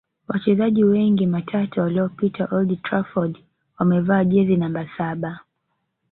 Wachezaji wengi matata waliopita old Trafford wamevaa jezi namba saba